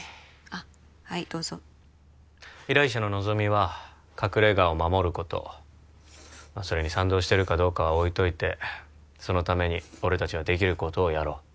あっはいどうぞ依頼者の望みは隠れ家を守ることそれに賛同してるかどうかは置いといてそのために俺達はできることをやろう